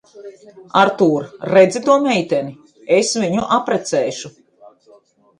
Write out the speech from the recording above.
Artūr, redzi to meiteni? Es viņu apprecēšu.